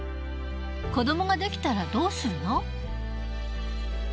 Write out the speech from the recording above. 子どもが出来たらどうするの？